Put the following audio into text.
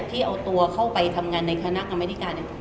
ที่เอาตัวเข้าไปทำงานในคณะกรรมนิการ